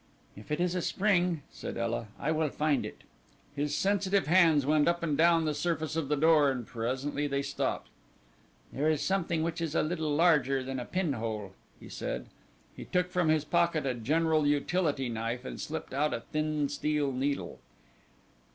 "If it is a spring," said Ela, "I will find it." His sensitive hands went up and down the surface of the door and presently they stopped. "There is something which is little larger than a pin hole," he said. He took from his pocket a general utility knife and slipped out a thin steel needle.